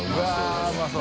舛うまそう。